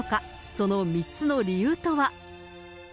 その３つの理由とは。